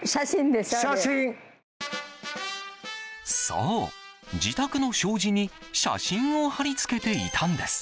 そう、自宅の障子に写真を貼り付けていたんです。